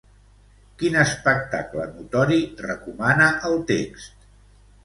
Quin espectacle notori recomana el text?